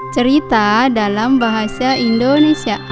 cerita dalam bahasa indonesia